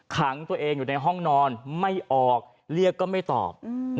ขังตัวเองอยู่ในห้องนอนไม่ออกเรียกก็ไม่ตอบ